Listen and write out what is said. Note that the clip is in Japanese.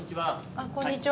あっこんにちは。